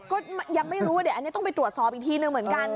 ก็ยังไม่รู้เดี๋ยวต้องไปตรวจสอบอีกทีหนึ่งเหมือนกัน